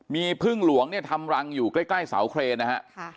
มีพึ่งหลวงเนี่ยทำรังอยู่ใกล้เสาเครนนะฮะ